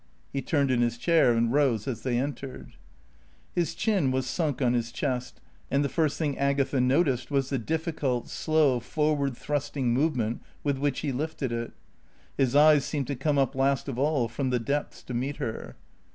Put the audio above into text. He turned in his chair and rose as they entered. His chin was sunk on his chest, and the first thing Agatha noticed was the difficult, slow, forward thrusting movement with which he lifted it. His eyes seemed to come up last of all from the depths to meet her.